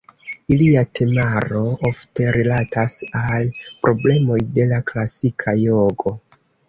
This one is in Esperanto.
Ilia temaro ofte rilatas al problemoj de la klasika jogo.